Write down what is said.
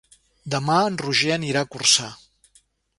Demà en Roger anirà a Corçà.